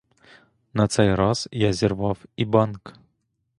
На цей раз я зірвав і банк!